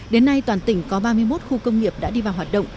đến nay toàn tỉnh có ba mươi một khu công nghiệp đã đi vào hoạt động